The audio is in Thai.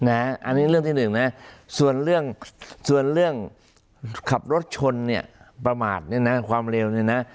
อันนี้เรื่องที่หนึ่งนะส่วนเรื่องขับรถชนประมาทความเร็ว